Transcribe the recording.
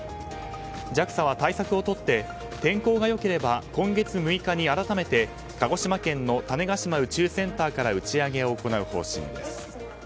ＪＡＸＡは対策をとって天候が良ければ今月６日に改めて鹿児島県の種子島宇宙センターから打ち上げを行う方針です。